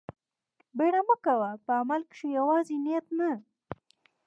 بيړه مه کوه په عمل کښې يوازې نيت نه.